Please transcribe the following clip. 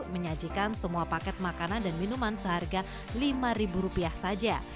menyajikan semua paket makanan dan minuman seharga lima ribu rupiah saja